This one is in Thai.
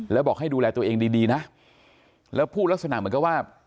แล้วบอกให้ดูแลตัวเองดีดีนะแล้วพูดลักษณะเหมือนกับว่า